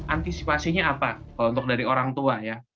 antisipasinya apa untuk dari orang tua ya